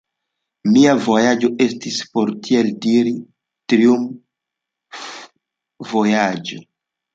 Mia vojaĝo estis, por tiel diri, triumfvojaĝo.